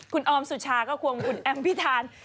คุณออมสุชาก็ควงคุณแอมพิธาน